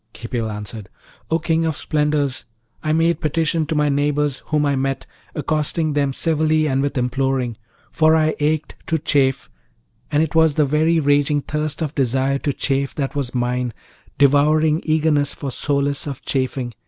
Khipil answered, 'O King of splendours! I made petition to my neighbours whom I met, accosting them civilly and with imploring, for I ached to chafe, and it was the very raging thirst of desire to chafe that was mine, devouring eagerness for solace of chafing.